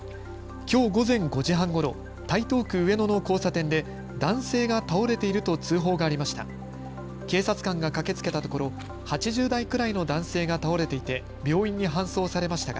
きょう午前５時半ごろ台東区上野の交差点で男性が倒れていると通報がありました。